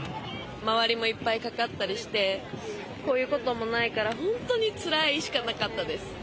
周りもいっぱいかかったりして、こういうこともないから、本当につらいしかなかったです。